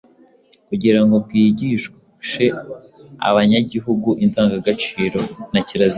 kugira ngo bwigishe abanyagihugu indangagaciro na kirazira.